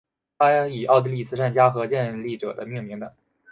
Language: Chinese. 它以奥地利慈善家和建立者命名的。